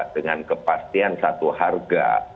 dengan kepastian satu harga